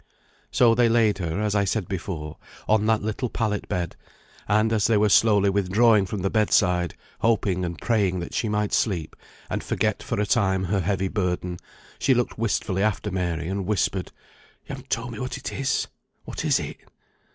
So they laid her, as I said before, on that little pallet bed; and, as they were slowly withdrawing from the bed side, hoping and praying that she might sleep, and forget for a time her heavy burden, she looked wistfully after Mary, and whispered, "You haven't told me what it is. What is it?"